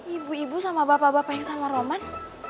ibu ibu sama bapak bapak yang sama roman